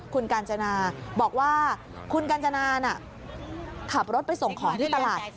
คุณกาญจนาบอกว่าคุณกัญจนาน่ะขับรถไปส่งของที่ตลาด